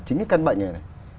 chính cái căn bệnh này này